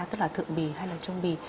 tức là thượng bì hay là trong bì